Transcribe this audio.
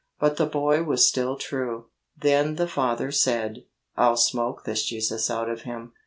But the boy was still true. Then the father said, 'I'll smoke this Jesus out of him.